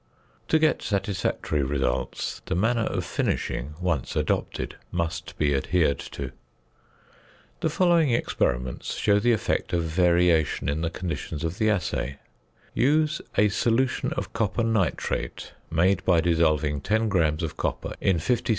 To get satisfactory results, the manner of finishing once adopted must be adhered to. The following experiments show the effect of variation in the conditions of the assay: Use a solution of copper nitrate, made by dissolving 10 grams of copper in 50 c.